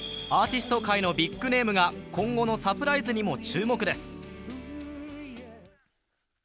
アーティスト界のビッグネームが今後のサプライズにも注目です。